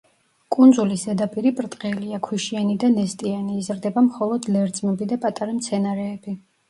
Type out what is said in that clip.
კუნძულის ზედაპირი ბრტყელია, ქვიშიანი და ნესტიანი, იზრდება მხოლოდ ლერწმები და პატარა მცენარეები.